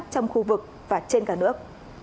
trong khu vực và trên cả nước